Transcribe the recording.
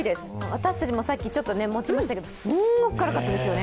私たちもさっき持ちましたけどすっごく軽かったです。